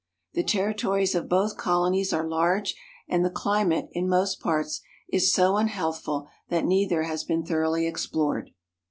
The territories of both colonies are large, and the climate, in most parts, is so unhealthful that neither has been thoroughly explored.